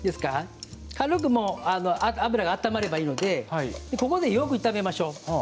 軽く油が温まればいいのでここでよく炒めましょう。